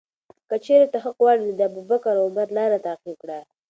که چیرې ته حق غواړې، نو د ابوبکر او عمر لاره تعقیب کړه.